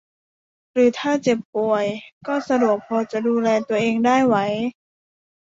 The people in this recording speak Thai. หรือถ้าเจ็บป่วยก็สะดวกพอจะดูแลตัวเองได้ไหว